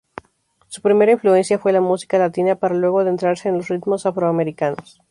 Su primera influencia fue la música latina, para luego adentrarse en los ritmos afro-americanos.